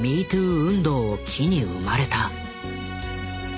運動を機に生まれた。